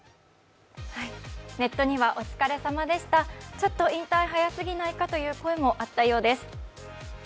ネットには、お疲れさまでした、ちょっと引退早すぎないかという声もあったようです。